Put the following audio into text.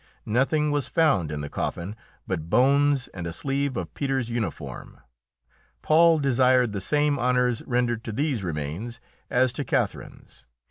Nothing was found in the coffin but bones and a sleeve of Peter's uniform. Paul desired the same honours rendered to these remains as to Catherine's.